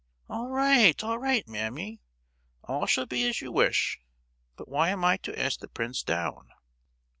"All right—all right, mammy. All shall be as you wish; but why am I to ask the prince down?"